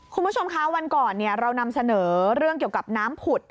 คุณผู้ชมคะวันก่อนเรานำเสนอเรื่องเกี่ยวกับน้ำผุด